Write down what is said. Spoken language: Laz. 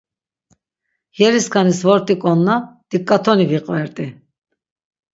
Yeriskanis vort̆iǩonna dik̆atoni viqvert̆i.